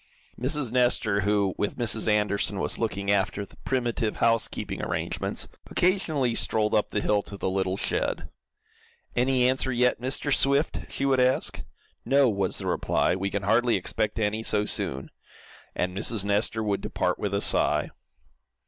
Mrs. Nestor, who, with Mrs. Anderson, was looking after the primitive housekeeping arrangements, occasionally strolled up the hill to the little shed. "Any answer yet, Mr. Swift?" she would ask. "No." was the reply. "We can hardly expect any so soon," and Mrs. Nestor would depart, with a sigh.